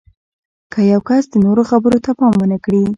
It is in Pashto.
که یو کس د نورو خبرو ته پام ونه کړي